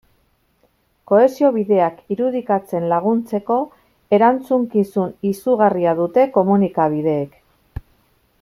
Kohesio bideak irudikatzen laguntzeko erantzukizun izugarria dute komunikabideek.